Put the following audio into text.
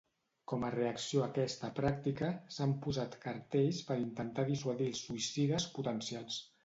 Com a reacció a aquesta pràctica s'han posat cartells per intentar dissuadir als suïcides potencials.